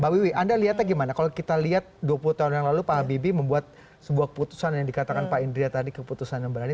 mbak wiwi anda lihatnya gimana kalau kita lihat dua puluh tahun yang lalu pak habibie membuat sebuah keputusan yang dikatakan pak indria tadi keputusan yang berani